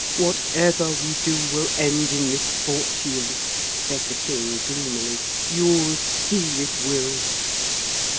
'Whatever we do will end in misfortune,' said the King gloomily; 'you'll see it will.'